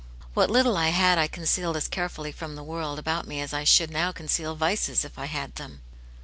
What little I had I concealed as carefully from the world about me as I should now conceal vices, if I had them."